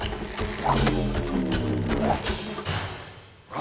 あ？